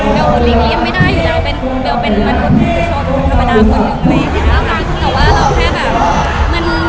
เปลี่ยงไม่ได้อยู่แล้วเปลี่ยงเป็นมนุษย์มนุษย์ชมธรรมดามนุษย์อยู่ด้วย